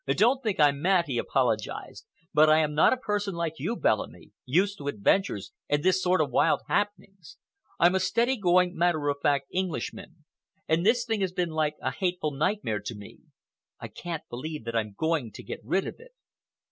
"Don't think I'm mad," he apologized, "but I am not a person like you, Bellamy,—used to adventures and this sort of wild happenings. I'm a steady going, matter of fact Englishman, and this thing has been like a hateful nightmare to me. I can't believe that I'm going to get rid of it."